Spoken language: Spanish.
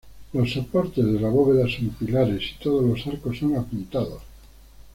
Los soportes de la bóveda son pilares y todos los arcos son apuntados.